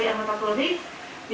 terhadap tersangka ahr dari pt lib